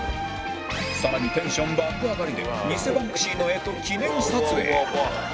更にテンション爆上がりで偽バンクシーの画と記念撮影